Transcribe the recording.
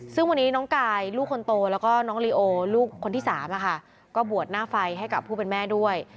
ซึ่งวันนี้น้องกายลูกคนโตแล้วก็น้องลีโอลูกคนที่๓ก็บวชหน้าไฟให้กับผู้เป็นแม่ด้วย